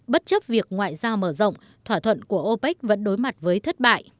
bất chấp việc ngoại giao mở rộng thỏa thuận của opec vẫn đối mặt với thất bại